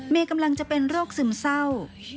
กำลังจะเป็นโรคซึมเศร้า